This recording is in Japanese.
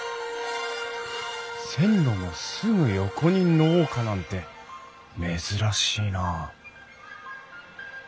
線路のすぐ横に農家なんて珍しいなあ。